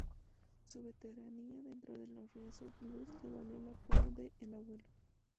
Su veteranía dentro de los Riazor Blues le valió el apodo de "El Abuelo".